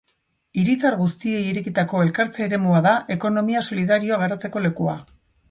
Hiritar guztiei irekitako elkartze-eremua da, ekonomia solidarioa garatzeko lekua.